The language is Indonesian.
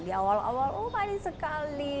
di awal awal oh manis sekali